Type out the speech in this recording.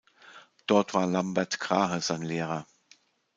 Dort war Lambert Krahe sein Lehrer.